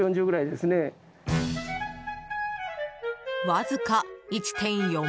わずか１．４ｍ。